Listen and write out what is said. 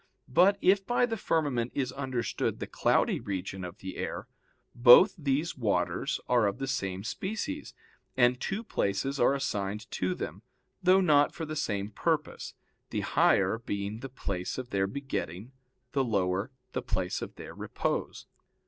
But if by the firmament is understood the cloudy region of the air, both these waters are of the same species, and two places are assigned to them, though not for the same purpose, the higher being the place of their begetting, the lower, the place of their repose.